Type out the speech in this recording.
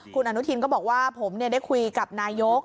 คุณอนุทินก็บอกว่าผมได้คุยกับนายก